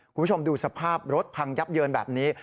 คุณผู้ชมดูสภาพรถพังยับเยินแบบนี้